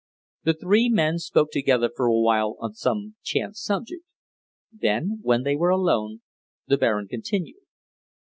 The three men spoke together for a while on some chance subject. Then, when they were alone, the Baron continued.